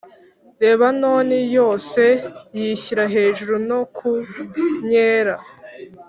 Lebanoni yose yishyira hejuru no ku myela